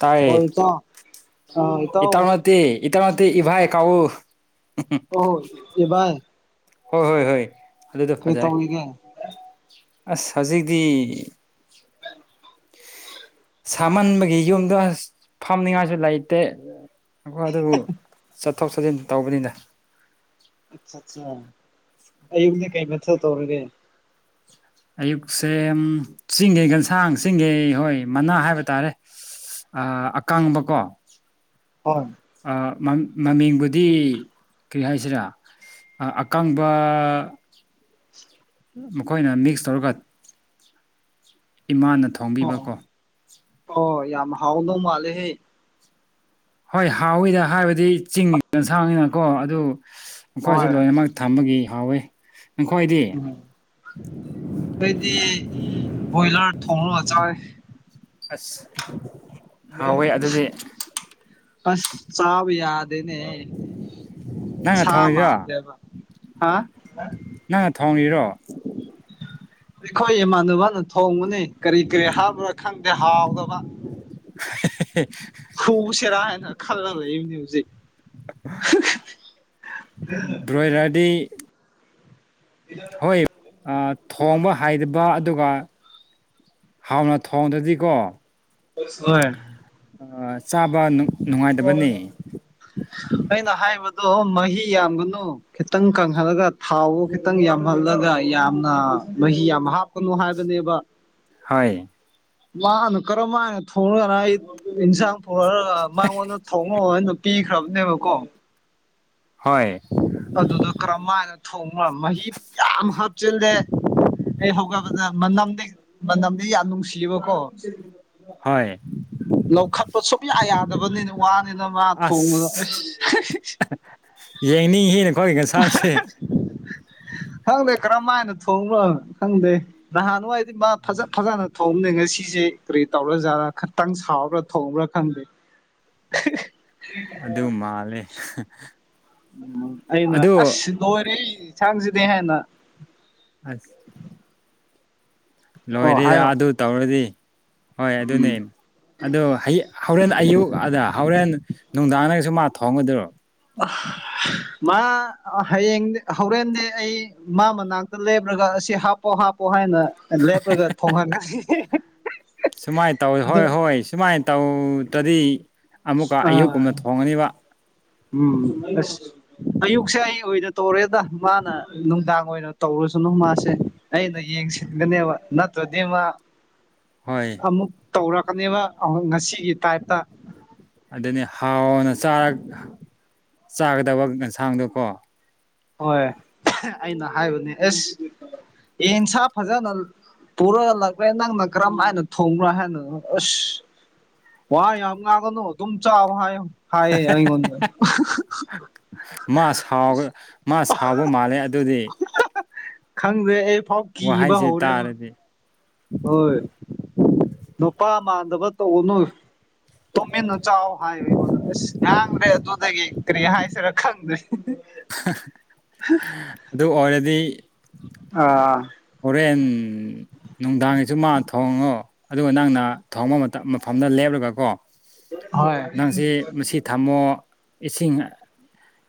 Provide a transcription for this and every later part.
ꯇꯥꯏꯦ ꯑꯣ ꯏꯇꯥꯎ ꯑ ꯏꯇꯥꯎ ꯏꯇꯔꯃꯦ ꯏꯇꯔꯃ ꯏꯚꯥꯏ ꯀꯥꯎꯥꯎ ꯑꯣꯍꯣ ꯏꯕꯥ ꯍꯣꯏ ꯍꯣꯏ ꯍꯣꯏ ꯑꯗꯨꯗꯣ ꯀꯩ ꯇ ꯐꯖꯔꯦ ꯍꯧꯒꯦ ꯑꯁ ꯍꯧꯖꯤꯛꯇꯤ ꯐ ꯁꯥꯃꯟꯕꯒꯤ ꯌꯨꯝꯗꯣ ꯐꯝꯅꯤꯉꯥꯏꯁꯨ ꯂꯩꯇꯦ ꯑꯩꯈꯣꯏ ꯑꯗꯨꯕꯨ ꯆꯠꯊꯣꯛ ꯆꯠꯁꯤꯟ ꯇꯧꯕꯅꯤꯅ ꯑꯌꯨꯛꯇꯗ ꯀꯩ ꯅꯊꯧ ꯇꯧꯔꯤꯒꯦ ꯑꯌꯨꯛꯁꯦ ꯆꯤꯡꯒꯦ ꯒꯟꯁꯥꯡ ꯆꯤꯡꯒꯦ ꯍꯣꯏ ꯃꯅꯥ ꯍꯥꯏꯕ ꯇꯥꯔꯦ ꯑ ꯑꯀꯥꯡꯕꯀꯣ ꯍꯣꯏ ꯃꯃꯤꯡꯕꯨꯗꯤ ꯀꯔꯤ ꯍꯥꯏꯁꯤꯔꯥ ꯑꯀꯥꯡꯕ ꯃꯈꯣꯏꯅ ꯃꯤꯛꯁ ꯇꯧꯔꯒ ꯏꯃꯥꯅ ꯊꯣꯡꯕꯤꯕꯀꯣ ꯑꯣ ꯑꯣ ꯌꯥꯝ ꯍꯥꯎꯗꯣ ꯃꯥꯂꯦꯍꯦ ꯍꯣꯏ ꯍꯥꯎꯋꯤꯗ ꯍꯥꯏꯕꯗꯤ ꯆꯤꯡꯣꯟꯁꯥꯡꯅꯤꯅꯀꯣ ꯑꯗꯨ ꯑꯩꯣꯏꯁꯨ ꯍꯣꯏ ꯂꯣꯏꯅꯃꯛ ꯊꯝꯕꯒꯤ ꯍꯥꯎꯋꯤ ꯅꯈꯣꯏꯗꯤ ꯎꯝꯗꯤ ꯣꯏꯖ ꯊꯧꯂ ꯑꯆꯣꯏ ꯑꯁ ꯍꯥꯎꯋꯦ ꯑꯗꯨꯗꯤ ꯑꯁ ꯆꯥꯕ ꯌꯥꯗ ꯅꯦ ꯅꯪꯅ ꯊꯣꯡꯉꯤꯔꯣ ꯃꯥꯗꯦꯕ ꯍꯥ ꯊꯥꯎꯅꯤꯔꯣ ꯑꯩꯈꯣꯏ ꯏꯃꯥꯟꯅꯕꯅ ꯊꯣꯡꯕꯅꯤ ꯀꯔꯤ ꯀꯔꯤ ꯍꯥꯞꯕ꯭ꯔꯥ ꯈꯪꯗꯦ ꯍꯥꯎꯗꯕ [unintelligible] ꯍꯁꯦꯔꯥ ꯍꯥꯏꯅ ꯈꯜꯂꯝ ꯂꯩ ꯏꯅꯤ ꯍꯧꯖꯤꯩ ꯕ꯭ꯔꯣꯌꯔꯥꯗꯤ ꯍꯣꯏ ꯊꯣꯡꯝꯕ ꯍꯥꯏꯗ꯭ꯔ ꯑꯗꯨꯒ ꯍꯥꯎꯅ ꯊꯣꯡꯗ꯭ꯔꯗꯤꯀꯣ ꯑ ꯑ ꯆꯥꯕꯅ ꯍ ꯑꯩꯅ ꯍꯥꯏꯕꯗ ꯑꯗꯣ ꯃꯍꯤ ꯌꯥꯝꯒꯅꯨ ꯈꯤꯇꯪ ꯀꯪꯍꯜꯂꯒ ꯊꯥꯎꯕꯨ ꯈꯤꯇꯪ ꯌꯥꯝ ꯐꯍꯜꯂꯒ ꯌꯥꯝꯅ ꯃꯍꯤ ꯌꯥꯝ ꯍꯥꯞꯀꯅꯨ ꯍꯥꯏꯕꯅꯦꯕ ꯍꯣꯏ ꯃꯥꯅꯣ ꯀꯔꯝ ꯃꯅꯣ ꯊꯣꯡꯉꯒꯅ ꯑꯩ ꯏꯟꯁꯥꯡ ꯄꯨꯔꯒ ꯃꯉꯣꯟꯗ ꯊꯣꯡꯉꯣ ꯍꯥꯏꯅ ꯇ ꯈ꯭ꯔꯕꯅꯦꯕꯀꯣ ꯍꯣꯏ ꯑꯗꯨꯗ ꯀꯔꯝꯃꯥꯏꯅ ꯊꯣꯡꯕ ꯃꯍꯤ ꯌꯥꯝ ꯆꯆꯤꯜꯂꯦ ꯑꯩ ꯍꯧꯒꯠꯄꯗ ꯃꯅꯝꯗꯤ ꯃꯅꯝꯗꯤ ꯌꯥꯝ ꯅꯨꯡꯁꯤꯌꯦꯕꯀꯣ ꯍꯣꯏ ꯂꯧꯈꯠꯄ ꯁꯨꯡꯌꯥ ꯌꯥꯗꯕꯅꯤꯅ ꯋꯥꯅꯤꯅ ꯃꯥ ꯊꯣꯡꯕꯗ ꯌꯦꯡꯅꯤꯡꯉꯅ ꯈꯣꯒꯤ ꯀꯟꯁꯥꯡꯁꯦ ꯈꯪꯗꯦ ꯀꯔꯝ ꯍꯥꯏꯅ ꯊꯣꯡꯕꯣꯣ ꯈꯪꯗꯦ ꯅꯍꯥꯟꯋꯥꯏꯗꯤ ꯃꯥ ꯐꯖ ꯐꯖꯅ ꯊꯣꯡꯅꯤ ꯉꯁꯤꯁꯦ ꯀꯔꯤ ꯇꯧꯔ ꯖꯠꯥ ꯈꯇꯪ ꯁꯥꯎꯕ꯭ꯔꯥ ꯊꯣꯡꯕ꯭ꯔꯥ ꯈꯪꯗꯦ [unintelligible] [inaudible] ꯑꯗꯨ ꯃꯥꯂꯦ ꯎꯝ ꯑꯩꯅ ꯑꯁ ꯂꯣꯏꯔꯦ ꯑꯩꯁꯥꯡꯁꯤꯗꯤꯩ ꯍꯥꯏꯅ ꯑ [inaudible] ꯑꯣ ꯂꯣꯏꯔꯦꯗ ꯍꯥꯏꯌꯣ ꯑꯗꯨ ꯇꯧꯔꯗꯤ ꯍꯣꯏ ꯑꯗꯨꯅꯦ ꯎꯝ ꯑꯗꯨ ꯍꯦꯟ ꯑꯌꯨꯛ ꯑꯗ ꯍꯣꯔꯦꯟ ꯅꯨꯡꯗꯥꯡ ꯅꯪꯁꯨ ꯃꯥ ꯊꯣꯡꯒꯗꯣꯏꯔꯣ ꯃꯥ ꯍꯌꯦꯡ ꯍꯣꯔꯦꯟꯗꯦ ꯑꯩ ꯃꯥ ꯃꯅꯥꯛꯇ ꯂꯦꯞ꯭ꯔꯒ ꯑꯁꯤ ꯍꯥꯞꯄꯣ ꯍꯥꯞꯄꯣ ꯍꯥꯏꯅ ꯂꯦꯞꯄꯒ ꯊꯣꯡꯍꯟꯒꯅꯤ ꯑꯗꯨ ꯇꯧꯗꯗꯤ ꯑꯃꯨꯛꯀ ꯑꯥ ꯑꯌꯨꯛꯀꯨꯝꯅ ꯊꯣꯡꯉꯅꯤꯕ ꯎꯝ ꯑꯁ ꯑꯌꯨꯛꯁꯦ ꯑꯩ ꯑꯣꯏꯅ ꯇꯧꯔꯦꯗ ꯃꯥꯅ ꯅꯨꯡꯗꯥꯡ ꯑꯣꯏꯅ ꯇꯧꯔꯨꯁꯅꯨ ꯃꯥꯁꯦ ꯑꯩꯅ ꯌꯦꯡꯁꯤꯟꯒꯅꯦꯕ ꯅꯠꯇ꯭ꯔꯗꯤ ꯃꯥ ꯍꯣꯏ ꯑꯃꯨꯛ ꯇꯧꯔꯛꯀꯅꯦꯕ ꯉꯁꯤꯒꯤ ꯇꯥꯏꯞꯇ ꯑꯗꯨꯅꯤ ꯍꯥꯎꯅꯔ ꯆꯥꯒꯗꯕ ꯌꯦꯟꯁꯥꯡꯗꯨꯣꯀꯣ ꯍꯣꯏ ꯑꯩꯅ ꯍꯥꯏꯕꯅꯦ ꯑꯦꯁꯟꯁꯥ ꯐꯖꯅ ꯄꯨꯔꯛꯂꯛꯄꯦ ꯅꯪꯅ ꯀꯔꯝ ꯍꯥꯏꯅ ꯊꯣꯡꯕ꯭ꯔꯥ ꯍꯥꯏꯅꯣ ꯑꯁ ꯋꯥ ꯌꯥꯝ ꯉꯥꯡꯒꯅꯨ ꯑꯗꯨꯝ ꯆꯥꯕ ꯍꯥꯏ ꯍꯥꯏꯌꯦ ꯑꯩꯉꯣꯟꯗ ꯃꯥ ꯃꯥ ꯁꯥꯎꯕ ꯃꯥꯜꯂꯦ ꯑꯗꯨꯗꯤ ꯈꯪꯗꯦ ꯑꯩ ꯐꯥꯎ ꯀꯤꯕ ꯋꯥꯍꯩꯁꯦ ꯍꯧꯔꯦꯕ ꯇꯥꯔꯗꯤ ꯍꯣꯏ ꯅꯨꯄꯥꯃꯥꯟꯗꯕ ꯇꯧꯅꯨ ꯇꯨꯃꯤꯟꯅꯨ ꯆꯥꯎ ꯍꯥꯏꯌ ꯏꯉꯣꯟꯗꯨ ꯑꯁ ꯉꯥꯡꯗ꯭ꯔꯦ ꯑꯗꯨꯗꯒꯤ ꯀꯔꯤ ꯍꯥꯏꯁꯤꯔꯥ ꯈꯪꯗ꯭ꯔꯦ ꯑꯗꯨ ꯑꯣꯏꯔꯗꯤ ꯑ [unintelligible] [inaudible] ꯄꯦꯟ ꯅꯨꯡꯗꯥꯡꯒꯤꯁꯨ ꯃꯥ ꯊꯣꯡꯉꯣ ꯑꯗꯨꯒ ꯅꯪꯅ ꯊꯣꯡꯕ ꯃꯐꯝꯗ ꯂꯦꯞꯂꯒꯀꯣ ꯍꯣꯏ ꯅꯪꯁꯦ ꯃꯁꯤ ꯊꯝꯃꯣ ꯏꯁꯤꯡ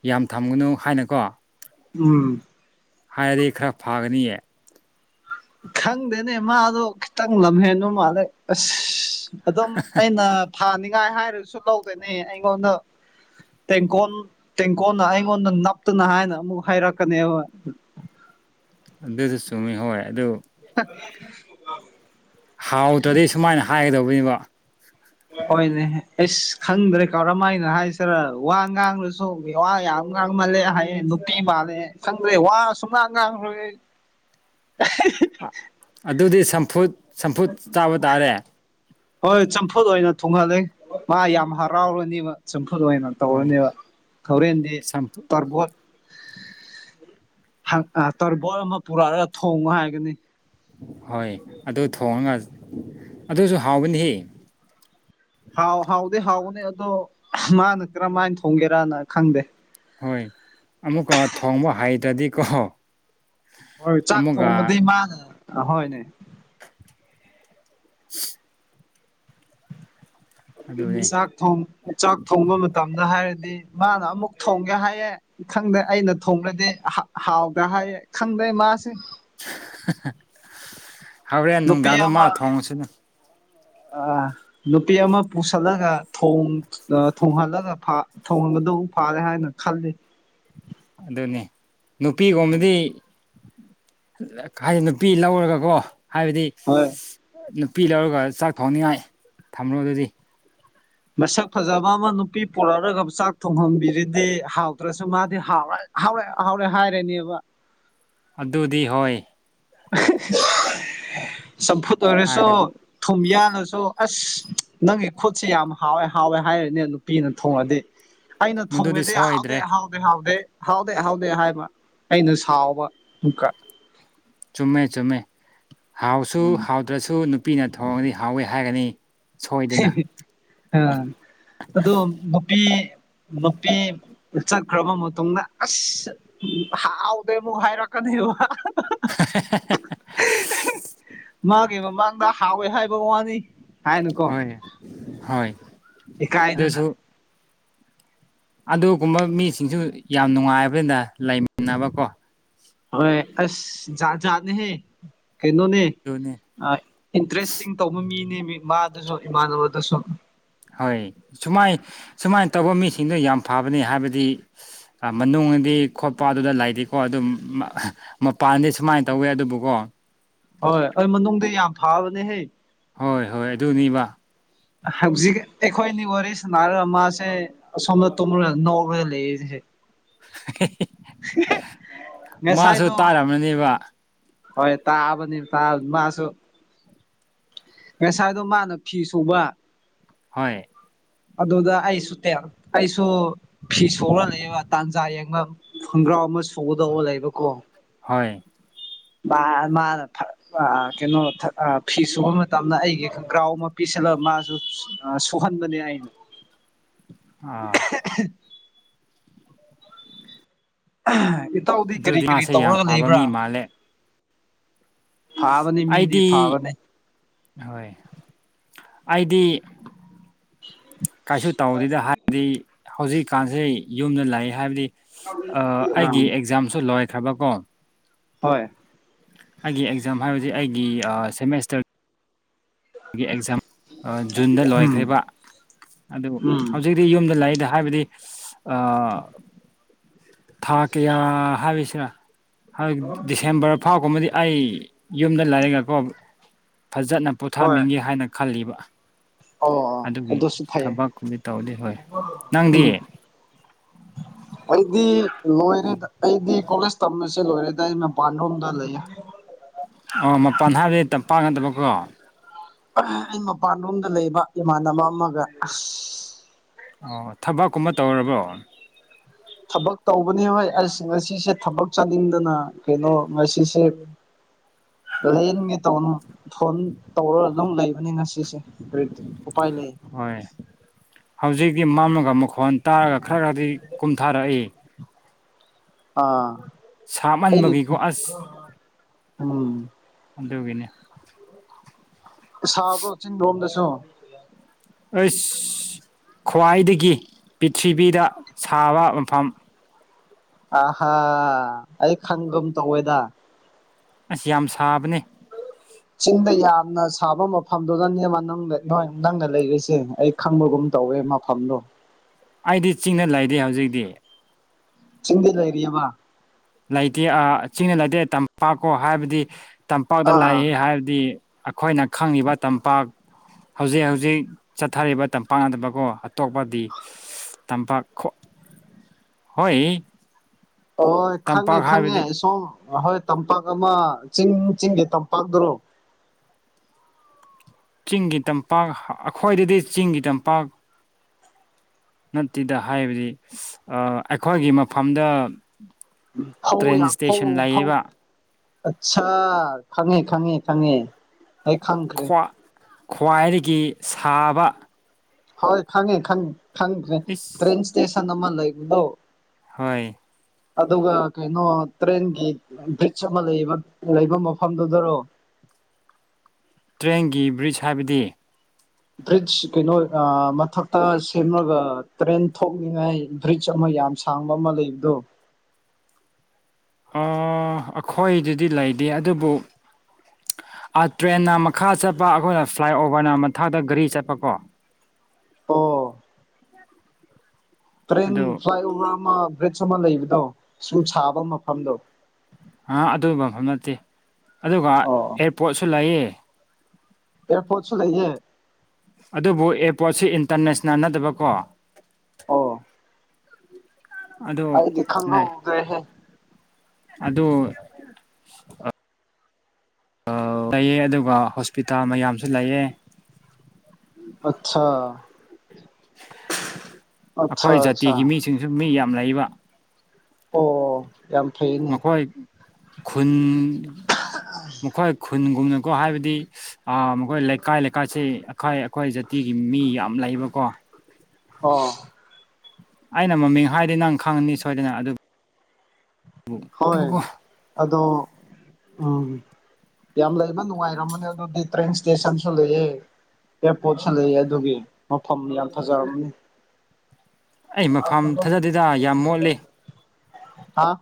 ꯌꯥꯝ ꯊꯝꯒꯅꯨ ꯍꯥꯏꯅꯀꯣ ꯎꯝ ꯍꯥꯏꯔꯗꯤ ꯈꯔ ꯐꯥꯒꯅꯤꯌꯦ ꯈꯪꯗꯦꯅꯦ ꯃꯥꯗꯣ ꯈꯤꯇꯪ ꯂꯝꯍꯦꯟꯕꯣ ꯃꯥꯜꯂꯦ ꯑꯁ ꯑꯗꯨꯝ ꯑꯩꯅ ꯐꯥꯅꯤꯡꯉꯥꯏ ꯍꯥꯏꯔꯁꯨ ꯂꯧꯗꯣꯏꯅꯦ ꯑꯩꯉꯣꯟꯗ ꯇꯦꯡꯀꯣꯜ ꯇꯦꯡꯀꯣꯟꯜꯅ ꯑꯩꯉꯣꯟꯗ ꯅꯞꯇꯅ ꯍꯥꯏꯅ ꯑꯃꯨꯛ ꯍꯥꯏꯔꯛꯀꯅꯦꯕ [unintelligible] [inaudible] ꯑꯗꯨꯁꯨ ꯆꯨꯝꯃꯤ ꯍꯣꯏ ꯑꯗꯨ ꯑ [inaudible] [unintelligible] ꯍꯥꯎꯗ꯭ꯔꯗꯤꯩ ꯁꯨꯃꯥꯏꯅ ꯍꯥꯏꯒꯗꯧꯕꯅꯦꯕ ꯍꯣꯏꯅꯦ ꯑꯩꯁ ꯈꯪꯗ꯭ꯔꯦ ꯀꯧꯔꯝꯃ ꯍꯥꯏꯅ ꯍꯥꯏꯁꯤꯔ ꯋꯥ ꯉꯥꯡꯅꯁꯨ ꯋꯥ ꯌꯥꯝ ꯁꯨꯝ ꯉꯥꯡ ꯃꯥꯜꯂꯦ ꯍꯥꯏꯌꯦ ꯅꯨꯄꯤꯤ ꯃꯥꯜꯂꯦ ꯈꯪꯗ꯭ꯔꯦ ꯋꯥ ꯁꯨꯡ ꯉꯥꯡ ꯉꯥꯡꯈ꯭ꯔꯦ [unintelligible] [inaudible] ꯑꯗꯨꯗꯤ ꯁꯝꯐꯨꯠ ꯁꯝꯐꯨꯠ ꯆꯥꯕ ꯇꯥꯔꯦ ꯍꯣꯏ ꯆꯝꯐꯨꯠ ꯑꯣꯏꯅ ꯊꯨꯡꯍꯜꯂꯤꯦ ꯃꯥ ꯌꯥꯝ ꯍꯔꯥꯎꯔꯅꯤꯕ ꯆꯝꯐꯨꯠ ꯠ ꯑꯣꯏꯅ ꯍꯣꯏ ꯇꯧꯔꯅꯦꯕ ꯊꯧꯔꯦꯟꯗꯤ ꯆꯝꯐꯨ ꯇꯔꯕꯣꯠ ꯇꯣꯔꯔꯕꯣꯣꯟ ꯑꯃ ꯄꯨꯔꯛꯂꯒ ꯊꯣꯡꯉ ꯍꯥꯏꯒꯅꯤ ꯍꯣꯏ ꯑꯗꯨ ꯊꯣꯡꯉꯒ ꯑꯗꯨꯁꯨ ꯍꯥꯎꯕꯅꯤ ꯍꯥꯎ ꯍꯥꯎꯗꯦ ꯍꯥꯎꯒꯅꯤ ꯑꯗꯣ ꯃꯥꯅ ꯀꯔꯝꯍꯥꯏꯅ ꯊꯣꯡꯒꯦꯔꯅ ꯈꯪꯗꯦ ꯍꯣꯏ ꯑꯃꯨꯛꯀ ꯊꯣꯡꯕ ꯍꯩꯗ꯭ꯔꯗꯤꯀꯣ ꯍꯣꯏ ꯆꯥꯛ ꯊꯣꯡꯕꯗꯤ ꯃꯥꯅꯦ ꯑꯍꯣꯏꯅꯦ [inaudible] ꯑꯗꯨꯅꯤ ꯆꯥꯛ ꯊꯣꯡ ꯆꯥꯛ ꯊꯣꯡꯕ ꯃꯇꯝ ꯃꯇꯝꯅ ꯍꯥꯏꯔꯗꯤ ꯃꯥꯅ ꯑꯃꯨꯛ ꯊꯣꯡꯒꯦ ꯍꯥꯏꯌꯦꯦ ꯈꯪꯗꯦ ꯑꯩꯅ ꯊꯣꯡꯡꯂꯗꯤ ꯍꯥꯎꯒꯦ ꯍꯥꯏ ꯈꯪꯗ ꯃꯥꯥꯁꯦ ꯍꯣꯔꯦꯟ ꯅꯨꯄꯤ ꯅꯨꯡꯗꯥꯡꯗꯣ ꯃꯥ ꯑꯃ ꯊꯣꯡꯉꯨꯁꯤꯅ ꯑ ꯅꯨꯄꯤ ꯑꯃ ꯄꯨꯁꯤꯜꯂꯒ ꯊꯣꯡꯍꯜꯂꯒ ꯊꯟꯕ ꯐꯥꯔꯦ ꯍꯥꯏꯅ ꯈꯜꯂꯤ ꯑꯗꯨꯅꯤ ꯅꯨꯄꯤꯒꯨꯝꯕꯗꯤ ꯍꯥꯏꯗꯤ ꯅꯨꯄꯤ ꯂꯧꯔꯒꯀꯣ ꯍꯥꯏꯕꯗꯤ ꯍꯣꯏ ꯅꯨꯄꯤ ꯂꯧꯔꯒ ꯆꯥꯛ ꯊꯣꯡꯅꯤꯡꯉꯥꯏ ꯊꯝꯃꯣ ꯑꯗꯨꯗꯤ ꯃꯁꯛ ꯐꯖꯕ ꯑꯃ ꯅꯨꯄꯤ ꯄꯨꯔꯛꯂꯒ ꯆꯥꯛ ꯊꯣꯡꯍꯟꯕꯤꯔꯤꯗꯤ ꯍꯥꯎꯗ꯭ꯔꯁꯨ ꯃꯥꯗꯤ ꯍꯥꯎ ꯍꯥꯎꯔꯦ ꯍꯥꯎꯔꯦ ꯍꯥꯏꯔꯦꯅꯦꯕ ꯑꯗꯨꯗꯤ ꯍꯣꯏ ꯆꯝꯐꯨꯠ ꯑꯣꯏꯔꯁꯨ ꯍꯥꯏꯒꯅꯤ ꯊꯨꯝ ꯌꯥꯜꯂꯁꯨ ꯑꯁ ꯅꯪꯒꯤ ꯈꯨꯠꯁꯦ ꯌꯥꯝ ꯍꯥꯎꯋꯦ ꯍꯥꯎꯋꯦ ꯍꯥꯏꯔꯤꯅꯦ ꯅꯨꯄꯤꯅ ꯊꯣꯡꯉꯗꯤ ꯑꯩꯅ ꯃꯗꯨꯗꯤ ꯊꯣꯡꯉꯦꯗꯤ ꯍꯥꯎꯗꯦ ꯁꯣꯏꯗ꯭ꯔꯦ ꯍꯥꯎꯗꯦ ꯍꯥꯎꯗꯦ ꯍꯥꯎꯗꯦ ꯍꯥꯎꯗꯦ ꯍꯥꯏꯕ ꯑꯩꯅ ꯁꯥꯎꯕ ꯑꯃꯨꯛꯀ ꯆꯨꯝꯃꯦ ꯆꯨꯝꯃꯦ ꯍꯥꯎꯁꯨ ꯍꯥꯎꯗ꯭ꯔꯁꯨ ꯅꯨꯄꯤꯅ ꯊꯣꯡꯉꯗꯤ ꯍꯥꯎꯋꯦ ꯍꯥꯏꯒꯅꯤ ꯁꯣꯏꯗꯅ ꯑꯝ ꯑꯗꯣ ꯄꯤ ꯅꯨꯄꯤ ꯆꯠꯈ꯭ꯔꯕ ꯃꯇꯨꯡꯗ ꯑꯁ ꯍꯥꯎꯗꯦ ꯑꯃꯨꯛ ꯍꯥꯏꯔꯛꯀꯗ [inaudible] [inaudible] ꯃꯥꯒꯤ ꯃꯃꯥꯡꯗ ꯍꯥꯎꯋꯦ ꯍꯥꯏꯕ ꯋꯥꯅꯤ ꯍꯥꯏꯅꯨꯀꯣ ꯏꯀꯥꯏꯗꯅ ꯍꯁꯨ ꯑꯗꯨꯒꯨꯝꯕ ꯃꯤꯁꯤꯡꯁꯨ ꯌꯥꯝ ꯅꯨꯡꯉꯥꯏꯕꯅꯤꯅ ꯂꯩꯃꯤꯟꯅꯕꯀꯣ ꯍꯣꯏ ꯑꯁꯖꯥꯗꯍꯦ ꯀꯩꯅꯣꯅꯦ ꯑꯗꯨꯅꯤ ꯏꯟꯇꯔꯦꯁꯇꯤꯡ ꯇꯧꯕ ꯃꯤꯅꯦ ꯏꯃ ꯑꯗꯨꯁꯨ ꯏꯃꯗꯕꯗꯨꯁꯨꯣ ꯍꯣꯏ ꯁꯨꯃꯥꯏ ꯁꯨꯃꯥꯏꯅ ꯇꯧꯕ ꯃꯤꯁꯤꯡꯗꯣ ꯌꯥꯝ ꯐꯕꯅꯤ ꯍꯥꯏꯕꯗꯤ ꯃꯅꯨꯡꯗꯤ ꯈꯣꯠꯄ ꯑꯗꯨꯗ ꯂꯩꯇꯦꯀꯣ ꯑꯗꯨ ꯃꯄꯥꯟꯗꯤ ꯁꯨꯃꯥꯏꯅ ꯇꯧꯋꯦ ꯑꯗꯨꯕꯨꯀꯣ ꯍꯣꯏ ꯑꯗꯨ ꯃꯅꯨꯡꯗꯗꯤ ꯌꯥꯝ ꯊꯥꯕꯅꯦꯍꯩ ꯍꯣꯏ ꯍꯣꯏ ꯑꯗꯨꯅꯦꯕ ꯍꯧꯖꯤꯛ ꯑꯩꯈꯣꯏꯅꯤ ꯋꯥꯔꯤ ꯁꯥꯟꯅꯔꯒ ꯃꯥꯁꯦ ꯑꯁꯣꯝꯗ ꯇꯣ ꯅꯧꯔ ꯂꯩꯔꯤꯁꯦ [inaudible] ꯃꯥꯁꯨ ꯉꯁꯥꯏꯗꯣ ꯇꯥꯔꯔꯕꯅꯦꯕ ꯍꯣꯏ ꯇꯥꯕꯅꯤ ꯇꯥ ꯃꯥꯁꯨꯣ ꯉꯁꯥꯏꯗꯣ ꯃꯥꯅ ꯐꯤ ꯁꯨꯕ ꯍꯣꯏ ꯑꯗꯨꯗ ꯑꯩ ꯁꯇꯦ ꯑꯩꯁꯨ ꯐꯤ ꯁꯣꯛꯂ ꯂꯩꯕ ꯇꯥꯟꯖꯥ ꯌꯦꯡꯕ ꯐꯪꯕ ꯒ꯭ꯔꯥꯎ ꯑꯃ ꯁꯨꯒꯗꯧꯕ ꯂꯩꯕꯀꯣ ꯍꯣꯏ ꯃꯥ ꯃꯥꯅ ꯐ ꯀꯩꯅꯣ ꯐꯤ ꯁꯨꯕ ꯃꯇꯝꯗ ꯑꯩꯒꯤ ꯒ꯭ꯔꯥꯎ ꯑꯃ ꯄꯤꯁꯤꯜꯂꯒ ꯃꯥꯁꯨ ꯐꯟꯕꯅꯦ ꯑ ꯏꯇꯧꯗꯤ ꯀꯔꯤ ꯑꯗꯨꯗꯤ ꯀꯔꯤ ꯃꯥꯁꯦ ꯌꯥꯝ ꯇꯧꯔꯒ ꯐꯕ ꯂꯩꯕ꯭ꯔꯥ ꯃꯤ ꯃꯥꯜꯂꯦ ꯐꯥꯕꯅꯤ ꯃꯤꯗꯤ ꯑꯩꯗꯤ ꯐꯥꯕꯅꯤ ꯍꯣꯏ ꯑꯩꯗꯤ ꯀꯩꯁꯨ ꯇꯧꯗꯣꯏꯗ ꯍꯥꯏꯔꯗꯤ ꯍꯧꯖꯤꯛꯀꯥꯟꯁꯦ ꯌꯨꯝꯗ ꯂꯥꯛꯏ ꯍꯥꯏꯕꯗꯤ ꯑꯩꯒꯤ ꯑꯥ ꯑꯦꯛꯖꯥꯝꯁꯨ ꯂꯣꯏ ꯈꯕ ꯀꯣ ꯍꯣꯏ ꯑꯩꯒꯤ ꯑꯦꯛꯖꯥꯝ ꯍꯥꯏꯕꯁꯤ ꯑꯩꯒꯤ ꯁꯦꯃꯦꯁꯇꯔ ꯑꯩꯒꯤ ꯑꯦꯛꯖꯥꯝ ꯖꯨꯟꯗ ꯎꯝ ꯂꯣꯏꯈ꯭ꯔꯤꯕ ꯑꯗꯨ ꯎꯝ ꯍꯧꯖꯤꯛꯇꯤ ꯌꯨꯝꯗ ꯂꯩꯗ ꯍꯥꯏꯕꯗꯤ ꯑꯥ ꯊꯥ ꯀꯌꯥ ꯍꯥꯏꯔꯤꯁꯤꯔ ꯗꯤꯁꯦꯝꯕꯔ ꯐꯥꯎꯒꯨꯝꯕꯗꯤ ꯑꯩ ꯌꯨꯝꯗ ꯂꯥꯏꯔꯤꯛꯒꯀꯣ ꯐꯖꯅ ꯍꯣꯏ ꯄꯣꯊꯥꯅꯤꯡꯒꯦ ꯍꯥꯏꯅ ꯈꯜꯂꯤꯕ ꯑꯣ ꯑꯣ ꯑꯗꯨꯒꯤ ꯑꯗꯨꯁꯨ ꯐꯩꯌꯦ ꯊꯕꯛꯨꯗꯤ ꯇꯧꯗꯤ ꯍꯣꯏ ꯅꯪꯗꯤ ꯎꯝ ꯑꯩꯗꯤ ꯂꯣꯏꯔꯤꯗ ꯑꯩꯗꯤ ꯀꯣꯂꯦꯖ ꯇꯝꯕꯁꯦ ꯂꯣꯏꯔꯦꯗꯥꯏ ꯑꯩ ꯃꯄꯥꯟ ꯔꯣꯝꯗ ꯂꯩꯌꯦ ꯑꯣ ꯃ ꯄꯥꯟ ꯊꯥꯕꯤ ꯇꯝꯄꯥꯛ ꯉꯗꯕꯀꯣ ꯑꯩ ꯃꯄꯥꯟꯂꯣꯝꯗ ꯂꯩꯕ ꯏꯃꯥꯟꯅꯕ ꯑꯃꯒ ꯑꯣ ꯊꯕꯛꯀꯨꯝꯕ ꯇꯧꯔꯕꯣ ꯊꯕꯛ ꯇꯧꯕꯅꯤ ꯍꯣꯏ ꯑꯁ ꯉꯁꯤꯁꯦ ꯊꯕꯛ ꯆꯥꯅꯤꯡꯗꯅ ꯀꯩꯅꯣ ꯉꯁꯤꯁꯦ ꯂꯩꯅꯤꯡꯒꯦ ꯇꯅꯨ ꯐꯣꯟ ꯇꯧꯔꯒ ꯑꯗꯨꯝ ꯂꯩꯕꯅꯤ ꯉꯁꯤꯁꯦ ꯎꯄꯥꯏ ꯂꯩ ꯍꯣꯏ ꯍꯧꯖꯤꯛꯇꯤ ꯃꯝꯂꯒ ꯃꯈꯣꯟꯜ ꯇꯥꯔꯒ ꯈꯔ ꯈꯗꯤ ꯀꯨꯝꯊꯥꯔꯛꯏ ꯑꯥ ꯁꯥꯃꯟꯕꯒꯤꯀꯣ ꯑꯁ ꯎꯝ ꯑꯗꯨꯒꯅꯦ ꯁꯥꯕ꯭ꯔꯣ ꯆꯤꯟ ꯔꯣꯝꯗꯁꯨ ꯑꯩꯈꯣꯏ ꯈ꯭ꯋꯥꯏꯗꯒꯤ ꯄꯤꯔꯤꯊꯤꯕꯤꯗ ꯁꯥꯕ ꯃꯐꯝ ꯑꯍꯥ ꯑꯩ ꯈꯪꯒꯝ ꯇꯧꯋꯦꯗ ꯑꯁ ꯌꯥꯝ ꯁꯥꯕꯅꯦ ꯆꯤꯡꯗ ꯌꯥꯝꯅ ꯁꯥꯕ ꯃꯐꯝꯗꯨꯗꯅꯦ ꯅꯣꯏ ꯅꯪꯅ ꯂꯩꯔꯤꯁꯦ ꯑꯩ ꯈꯪꯕꯒꯨꯝ ꯇꯧꯋꯦ ꯑꯃ ꯐꯝꯂꯣ ꯑꯩꯗꯤ ꯆꯤꯡꯅ ꯂꯩꯗꯦ ꯍꯧꯖꯤꯛꯇꯤ ꯆꯗ ꯂꯔ ꯋꯥ ꯂꯩꯇꯦ ꯆꯤꯡꯅ ꯂꯩꯇꯦ ꯇꯝꯄꯥꯛꯀꯣ ꯍꯥꯏꯕꯗꯤ ꯇꯝꯄꯥꯛꯇ ꯂꯥꯛ ꯑꯥ ꯍꯥꯏꯕꯗꯤ ꯑꯩꯈꯣꯏꯅ ꯈꯪꯉꯤꯕ ꯇꯝꯄꯥꯛ ꯍꯧꯖꯤꯛ ꯍꯧꯖꯤꯛ ꯆꯠꯊꯔꯤꯕ ꯇꯝꯄꯥꯛꯅꯗꯕꯀꯣ ꯑꯇꯣꯞꯄꯗꯤ ꯇꯝꯄꯥꯛ ꯍꯣꯏ ꯍꯣꯏ ꯈꯪꯉꯦ ꯇꯝꯄꯥꯛ ꯈꯪꯉꯦ ꯍꯥꯏꯕꯗꯤ ꯁꯣꯝ ꯑꯍꯣꯏ ꯇꯝꯄꯥꯛ ꯑꯃ ꯆꯤꯡ ꯆꯤꯡꯒꯤ ꯇꯝꯄꯥꯛꯇꯔꯣ ꯆꯤꯡꯒꯤ ꯇꯝꯄꯥꯛ ꯑꯩꯈ꯭ꯣꯏꯗꯗꯤ ꯆꯤꯡꯒꯤ ꯇꯝꯄꯥꯛ ꯅꯠꯇꯦꯗ ꯍꯥꯏꯕꯗꯤ ꯑꯩꯈꯣꯏꯒꯤ ꯃꯐꯝꯗ ꯐꯧ ꯇ꯭ꯔꯦꯟ ꯐꯧ ꯏꯁꯇꯦꯁꯟ ꯐꯧ ꯂꯩꯌꯦꯕ ꯑꯆꯥ ꯈꯪꯉꯦ ꯈꯪꯉꯦ ꯈꯪꯉꯦ ꯍꯦꯛ ꯈꯪꯈ꯭ꯔꯦ ꯈ꯭ꯋꯥ ꯈ꯭ꯋꯥꯏꯗꯒꯤ ꯁꯥꯕ ꯍꯣꯏ ꯈꯪꯉꯦ ꯈꯪꯪ ꯏꯁ ꯇ꯭ꯔꯦꯟ ꯏꯁꯇꯦꯁꯟ ꯑꯃ ꯂꯩ ꯂꯧ ꯍꯣꯏ ꯑꯗꯨꯒ ꯀꯩꯅꯣ ꯇ꯭ꯔꯦꯟꯒꯤ ꯕ꯭ꯔꯤꯖ ꯑꯃ ꯂꯩꯕ ꯂꯩꯕ ꯃꯐꯝꯗꯨꯗꯔꯣ [inaudible] ꯇ꯭ꯔꯦꯟꯒꯤ ꯕ꯭ꯔꯤꯖ ꯍꯥꯏꯕꯗꯤ ꯕ꯭ꯔꯤꯖ ꯀꯩꯅꯣ ꯃꯊꯛꯇ ꯁꯦꯝꯂꯒ ꯇ꯭ꯔꯦꯟ ꯊꯣꯛꯅꯤꯡꯉꯥꯏ ꯕ꯭ꯔꯤꯖ ꯑꯃꯒꯤ ꯌꯥꯝ ꯁꯥꯡꯕ ꯑꯃ ꯂꯩꯕꯗꯣ ꯑꯩꯈꯣꯏꯗꯨꯗꯤ ꯂꯩꯇꯦ ꯑꯗꯨꯕꯨ ꯑ ꯇ꯭ꯔꯦꯟꯅ ꯃꯈꯥ ꯆꯠꯄ ꯑꯩꯈꯣꯏꯅ ꯐ꯭ꯂꯥꯏꯑꯣꯚꯔꯅ ꯃꯊꯥꯛꯇ ꯒꯥꯔꯤ ꯆꯠꯄꯀꯣ ꯑꯣ ꯇ꯭ꯔꯦꯟ ꯑꯗꯨ ꯐ꯭ꯂꯥꯏꯑꯣꯚꯔ ꯑꯃ ꯕ꯭ꯔꯤꯖ ꯑꯃ ꯂꯩꯕꯗꯣ ꯁꯨ ꯁꯥꯕ ꯃꯐꯝꯗꯣ ꯑ ꯑꯗꯨ ꯃꯐꯝ ꯅꯠꯇꯦ ꯑꯗꯨꯒ ꯑꯦꯌꯥꯔꯄꯣꯠꯁꯨ ꯂꯩꯌꯦ ꯑꯦꯔ ꯄꯣꯠꯁꯨ ꯂꯩꯌꯦꯦ ꯑꯗꯨꯕꯨ ꯑꯦꯔꯄꯣꯔꯠꯁꯤ ꯏꯟꯇꯔꯅꯦꯁꯅꯦꯜ ꯅꯠꯇꯕꯀꯣ ꯑ ꯎꯝ ꯑꯥꯏ ꯈꯪꯒ ꯎꯒꯦ ꯍꯦ ꯑꯗꯨꯗ ꯑ ꯂꯩꯑꯦ ꯑꯗꯨꯒ ꯍꯣꯁꯄꯤꯇꯥꯜ ꯃꯌꯥꯝꯁꯨ ꯂꯩꯑꯦ ꯑꯆꯥꯥ ꯑꯩꯈꯣꯏ ꯑꯠꯆꯥ ꯖꯥꯇꯤꯒꯤ ꯃꯤꯁꯤꯡꯁꯨ ꯃꯤ ꯌꯥꯝ ꯂꯩꯕ ꯑꯣ ꯌꯥꯝ ꯐꯩꯅ ꯃꯈꯣꯏ ꯈꯨꯟ ꯃꯈꯈꯣꯏ ꯈꯨꯟꯒꯨꯝꯅꯀꯣ ꯍꯥꯏꯕꯗꯤ ꯃꯈꯣꯏ ꯂꯩꯀꯥꯏ ꯂꯩꯀꯥꯏꯁꯤ ꯑꯩꯈꯥꯏ ꯑꯩꯈꯣꯏ ꯖꯥꯇꯤꯒꯤ ꯃꯤ ꯌꯥꯝ ꯂꯩ ꯏꯕꯀꯣ ꯑ ꯑꯩꯅ ꯃꯃꯤꯡ ꯍꯥꯏꯗꯤ ꯅꯪ ꯈꯪꯉꯅꯤ ꯁꯣꯏꯗꯅ ꯑꯗꯨ ꯍꯣꯏ ꯑꯗꯣ ꯎꯝ ꯌꯥꯝ ꯂꯩ ꯌꯥꯝ ꯅꯨꯡꯉꯥꯏꯔꯝꯃꯅꯦ ꯑꯗꯨꯗꯤ ꯇ꯭ꯔꯦꯟ ꯏꯁꯇꯦꯁꯟꯁꯨ ꯂꯩꯑ ꯑꯦꯌꯥꯔꯄꯣꯠꯁ ꯂꯩꯛꯑꯦ ꯑꯗꯨꯒꯤ ꯃꯐꯝ ꯌꯥꯝ ꯐꯖꯔꯕꯅꯤ ꯑꯩ ꯃꯐꯝ ꯊꯥꯖꯗꯗ ꯌꯥꯝ ꯃꯣꯠꯂꯤ ꯑ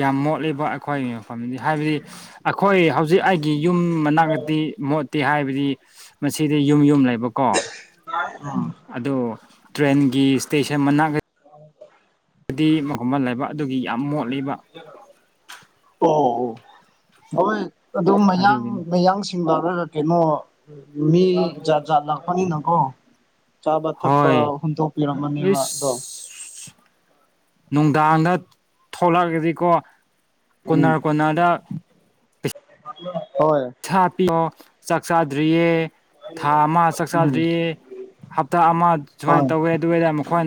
ꯌꯥꯝ ꯃꯣꯠꯂꯤꯕ ꯑꯩꯈꯣꯏꯒꯤ ꯃꯐꯝꯅꯤ ꯍꯥꯏꯕꯗꯤ ꯑꯩꯈꯣꯏ ꯍꯧꯖꯤꯛ ꯑꯩꯒꯤ ꯌꯨꯝ ꯃꯅꯥꯛꯇꯛꯇꯤ ꯃꯣꯠꯇꯦ ꯍꯥꯏꯕꯗꯤ ꯃꯁꯤꯗ ꯌꯨꯝ ꯌꯨꯝ ꯂꯩꯕ ꯎꯝ [inaudible] ꯍ ꯗꯤ ꯃꯒꯨꯝꯕꯟ ꯂꯩꯕ ꯑꯗꯨꯒꯤ ꯌꯥꯝ ꯃꯣꯠ ꯑꯣ ꯑꯣ ꯍꯣꯏ ꯑꯗꯨ ꯃꯌꯥꯡ ꯑꯗꯨꯒꯤꯅꯤ ꯃꯌꯥꯡ ꯆꯤꯡꯕ ꯀꯩꯅꯣ ꯃꯤ ꯂꯄꯅꯤ ꯅꯀꯣ ꯆꯥꯕ ꯊꯛꯄ ꯍꯣꯏ ꯍꯨꯟꯗꯣꯛꯄꯤꯔꯝꯃꯅꯦꯕ ꯑꯗꯣ ꯏꯁ ꯅꯨꯡꯗꯥꯡꯗ ꯊꯣꯛꯂꯛꯑꯒꯗꯤꯀꯣ ꯀꯣꯅꯥꯔ ꯀꯣꯅꯥꯗ ꯂ ꯁꯥ ꯄꯤꯌꯣ ꯆꯥꯛ ꯆꯥꯗ꯭ꯔꯤꯌꯦ ꯊꯥ ꯑꯃ ꯆꯥꯛ ꯎꯝ ꯆꯥꯗ꯭ꯔꯤꯌꯦ ꯍꯞꯇꯥ ꯑꯃ ꯁꯨꯃꯥꯏꯅ ꯍꯣꯏ ꯇꯧꯋꯦ ꯑꯗꯨ ꯑꯣꯏꯇꯥ ꯃꯈꯣꯏ